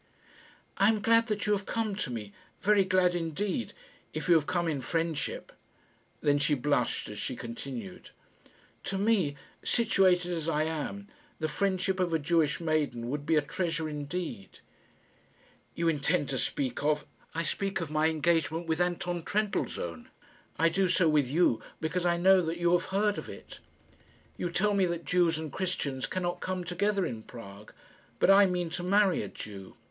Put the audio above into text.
"I am glad that you have come to me very glad indeed, if you have come in friendship." Then she blushed as she continued, "To me, situated as I am, the friendship of a Jewish maiden would be a treasure indeed." "You intend to speak of " "I speak of my engagement with Anton Trendellsohn. I do so with you because I know that you have heard of it. You tell me that Jews and Christians cannot come together in Prague, but I mean to marry a Jew.